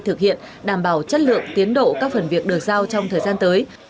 thực hiện đảm bảo chất lượng tiến độ các phần việc được giao trong thời gian tới